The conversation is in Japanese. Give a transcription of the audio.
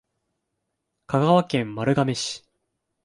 香川県丸亀市